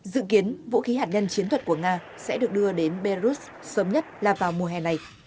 dự kiến vũ khí hạt nhân chiến thuật của nga sẽ được đưa đến belarus sớm nhất là vào mùa hè này